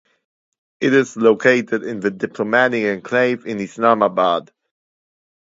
It is located in the Diplomatic Enclave in Islamabad.